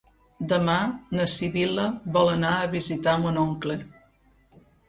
Demà na Sibil·la vol anar a visitar mon oncle.